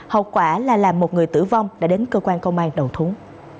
hậu quả là một người tử vong đã đến cơ quan công an đầu thúng